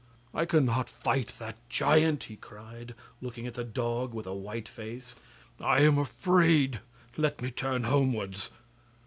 'I cannot fight that giant,' he cried, looking at the dog with a white face. 'I am afraid, let me turn homewards.